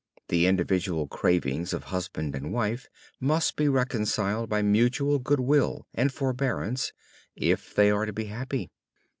The individual cravings of husband and wife must be reconciled by mutual good will and forbearance if they are to be happy.